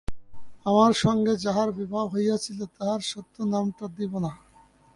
আমার সঙ্গে যাহার বিবাহ হইয়াছিল তাহার সত্য নামটা দিব না।